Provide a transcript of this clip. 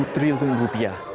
tiga tujuh triliun rupiah